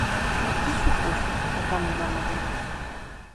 ¿Que supuxo o cambio normativo?